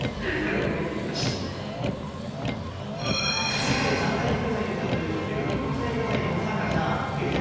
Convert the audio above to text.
世界３大映画祭の１つベルリン国際映画祭に初参加したＨｅｙ！